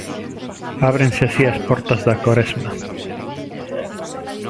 Ábrense así as portas da Coresma.